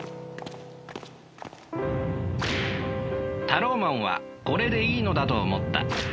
タローマンはこれでいいのだと思った。